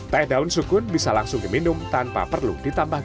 teh daun sukun bisa langsung diminum tanpa perlu ditambah